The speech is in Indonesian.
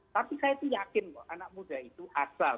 tapi saya yakin anak muda itu asal